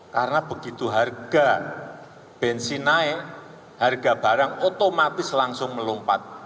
karena begitu harga bensin naik harga barang otomatis langsung melompat